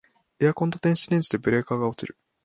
エアコンと電子レンジでブレーカー落ちる